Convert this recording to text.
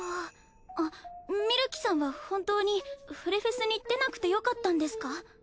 あっみるきさんは本当にフレフェスに出なくてよかったんですか？